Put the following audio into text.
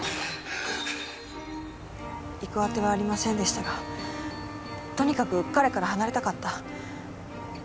行くあてはありませんでしたがとにかく彼から離れたかった。